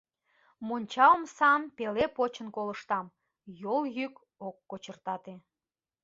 Монча омсам пеле почын колыштам, йол йӱк ок кочыртате.